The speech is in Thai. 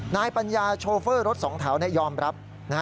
ปัญญาโชเฟอร์รถสองแถวยอมรับ